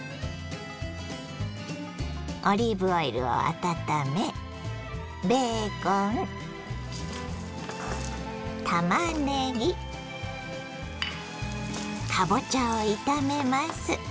オリーブオイルを温めベーコンたまねぎかぼちゃを炒めます。